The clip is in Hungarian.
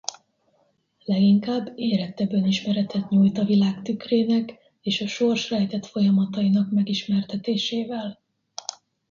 Leginkább érettebb önismeretet nyújt a világ tükrének és a sors rejtett folyamatainak megismertetésével.